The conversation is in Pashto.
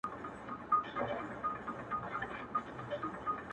چي پاڼه وشړېدل.